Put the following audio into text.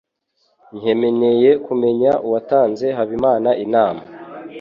Nkeneye kumenya uwatanze Habimana inama.